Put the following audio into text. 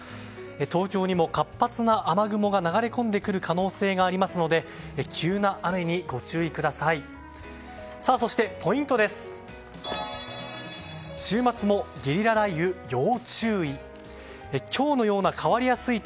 東京にも活発な雨雲が流れ込んでくる可能性がありますので急な雨にご注意ください。